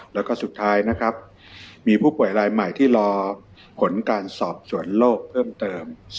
แล้วก็สุดท้ายนะครับมีผู้ป่วยรายใหม่ที่รอผลการสอบสวนโลกเพิ่มเติม